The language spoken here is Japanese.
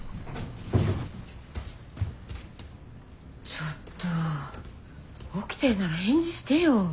ちょっと起きてるなら返事してよ。